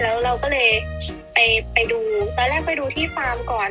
แล้วเราก็เลยไปดูตอนแรกไปดูที่ฟาร์มก่อน